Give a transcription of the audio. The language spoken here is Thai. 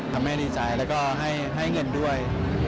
ทำให้ดีใจแล้วก็ให้เงินด้วย